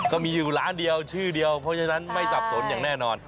ก็มีอยู่ร้านเดียวชื่อเดียวเพราะฉะนั้นไม่สับสนอย่างแน่นอน